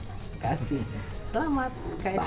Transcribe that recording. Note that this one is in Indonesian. terima kasih selamat kaisang